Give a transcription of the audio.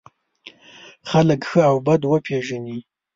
خلک ښه او بد وپېژني.